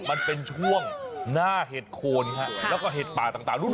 มันเป็นช่วงหน้าเห็ดโคนฮะแล้วก็เห็ดป่าต่างด้วย